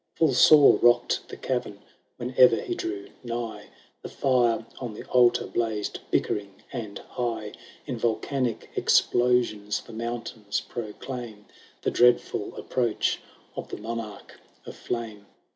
Full sore rocked the cavern whene'er he drew nigh, The fire on the altar blazed bickering and high ; In volcanic explosions the mountains proclaim The dreadful approach of the Monarch of Flame.